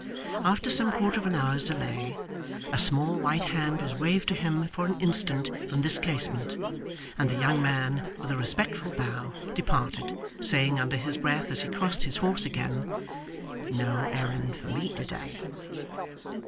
After some quarter of an hour's delay, a small white hand was waved to him for an instant from this casement, and the young man, with a respectful bow, departed; saying under his breath as he crossed his horse again, 'No errand for me to day!